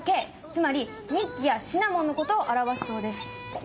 つまりニッキやシナモンのことを表すそうです。